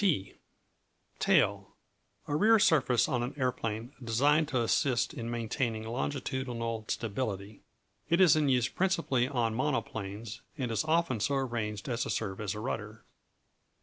T Tail A rear surface on an aeroplane designed to assist in maintaining longitudinal stability. It is in use principally on monoplanes, and is often so arranged as to serve as a rudder.